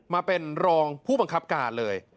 มาเป็นรองผู้บังคับการเลย